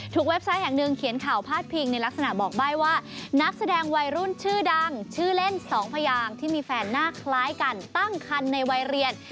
เว็บไซต์แห่งหนึ่งเขียนข่าวพาดพิงในลักษณะบอกใบ้ว่านักแสดงวัยรุ่นชื่อดังชื่อเล่นสองพยางที่มีแฟนหน้าคล้ายกันตั้งคันในวัยเรียน